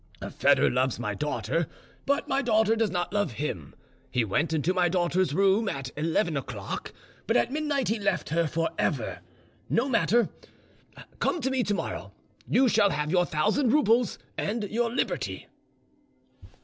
Foedor loves my daughter, but my daughter does not love him. He went into my daughter's room at eleven o'clock, but at midnight he left her for ever. No matter, come to me tomorrow, and you shall have your thousand roubles and your liberty."